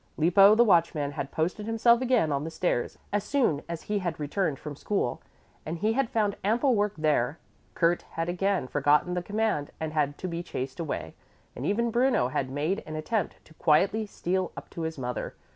Lippo, the watchman, had posted himself again on the stairs as soon as he had returned from school, and he had found ample work there. Kurt had again forgotten the command and had to be chased away, and even Bruno had made an attempt to quietly steal up to his mother.